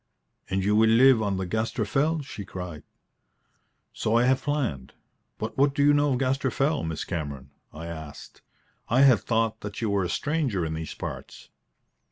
"And you will live on the Gaster Fell?" she cried. "So I have planned. But what do you know of Gaster Fell, Miss Cameron?" I asked. "I had thought that you were a stranger in these parts."